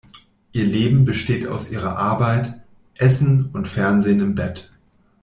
Ihr Leben besteht aus ihrer Arbeit, Essen und Fernsehen im Bett.